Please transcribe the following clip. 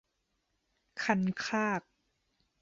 คันคาก